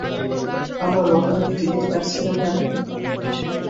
আমরা লটারির টিকিট কাটছি না কেন?